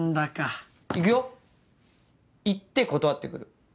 行くよ行って断ってくる。